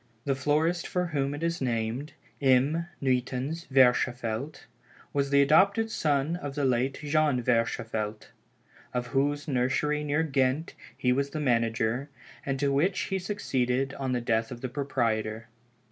The florist for whom it was named, M. Nuytans Verschaffelt, was the adopted son of the late Jean Verschaffelt, of whose nursery near Ghent, he was the manager, and to which he succeeded on the death of the proprietor.